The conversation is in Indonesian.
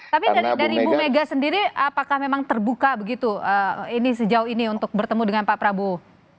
tapi dari ibu mega sendiri apakah memang terbuka begitu ini sejauh ini untuk bertemu dengan pak prabowo